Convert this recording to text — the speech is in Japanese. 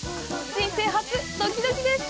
人生初、ドキドキです！